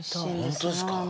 本当ですか？